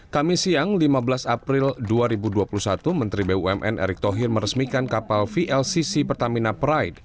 kami siang lima belas april dua ribu dua puluh satu menteri bumn erick thohir meresmikan kapal vlcc pertamina pride